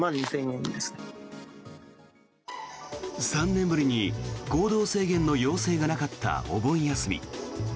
３年ぶりに行動制限の要請がなかったお盆休み。